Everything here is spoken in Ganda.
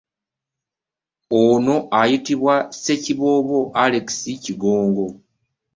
Ono ayitibwa Ssekiboobo Alex Kigongo.